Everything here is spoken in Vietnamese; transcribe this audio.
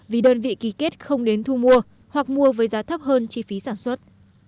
vì đơn vị ký kết không đến thu mua hoặc mua với giá thấp hơn chi phí sản xuất